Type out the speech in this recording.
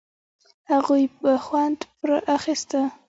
هغوی به خوند پر اخيسته.